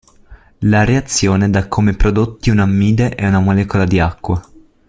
La reazione dà come prodotti un'ammide ed una molecola di acqua.